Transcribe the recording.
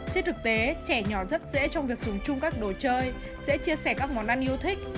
trên thực tế trẻ nhỏ rất dễ trong việc dùng chung các đồ chơi sẽ chia sẻ các món ăn yêu thích